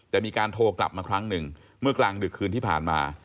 แต่มีการโทรกลับมาครั้งหนึ่งเมื่อกลางดึกคืนที่ผ่านมา